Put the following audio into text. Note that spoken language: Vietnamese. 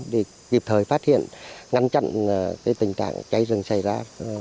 để kịp thời phát hiện ngăn chặn tình trạng cháy rừng xảy ra